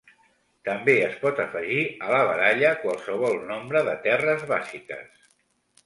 També es pot afegir a la baralla qualsevol nombre de terres bàsiques.